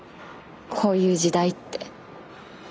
こういう時代って。